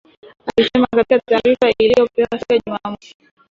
alisema katika taarifa iliyopewa siku ya Jumamosi